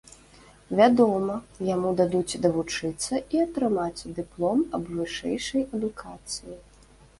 Вядома, яму дадуць давучыцца і атрымаць дыплом аб вышэйшай адукацыі.